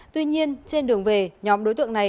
tuy nhiên trên đường về nhóm đối tượng này